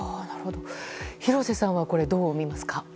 廣瀬さんはこれどう見ますか？